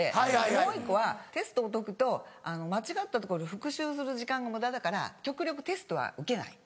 もう１個はテストを解くと間違ったところ復習する時間が無駄だから極力テストは受けない。